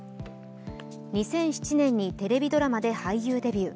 ２００７年にテレビドラマで俳優デビュー。